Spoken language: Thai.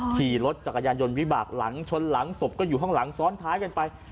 ขี่รถจักรยานยนต์วิบากหลังชนหลังศพก็อยู่ข้างหลังซ้อนท้ายกันไป